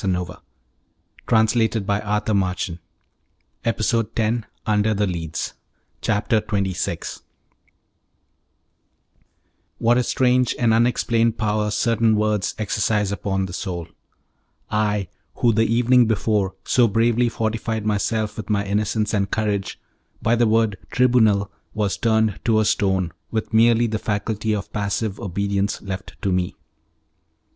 "By the authority of the Tribunal." EPISODE 10 UNDER THE LEADS CHAPTER XXVI Under The Leads The Earthquake What a strange and unexplained power certain words exercise upon the soul! I, who the evening before so bravely fortified myself with my innocence and courage, by the word tribunal was turned to a stone, with merely the faculty of passive obedience left to me.